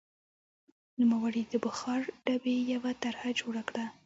نوموړي د بخار ډبې یوه طرحه جوړه کړه.